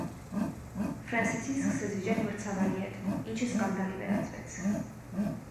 Ֆրանսիացին սկսեց վիճել մրցավարի հետ, ինչը սկանադալի վերածվեց։